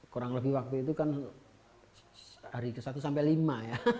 kurang lebih waktu itu kan hari ke satu sampai lima ya